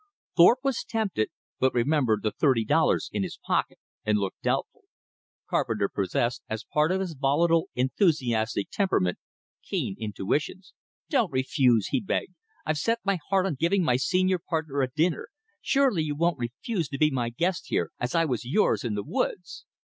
Thorpe was tempted, but remembered the thirty dollars in his pocket, and looked doubtful. Carpenter possessed, as part of his volatile enthusiastic temperament, keen intuitions. "Don't refuse!" he begged. "I've set my heart on giving my senior partner a dinner. Surely you won't refuse to be my guest here, as I was yours in the woods!"